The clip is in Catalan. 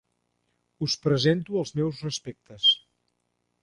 Us presento els meus respectes.